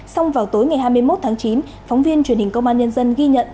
xong vào tối ngày hai mươi một tháng chín phóng viên truyền hình công an nhân dân ghi nhận